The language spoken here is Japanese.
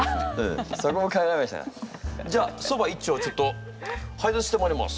じゃあそば一丁ちょっと配達してまいります。